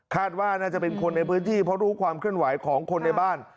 ว่าน่าจะเป็นคนในพื้นที่เพราะรู้ความเคลื่อนไหวของคนในบ้าน